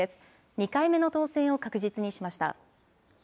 ２回目の当選を確実にしました。